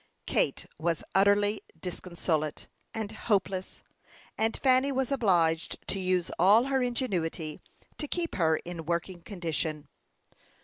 Kate was utterly disconsolate and hopeless, and Fanny was obliged to use all her ingenuity to keep her in working condition.